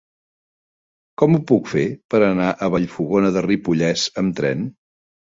Com ho puc fer per anar a Vallfogona de Ripollès amb tren?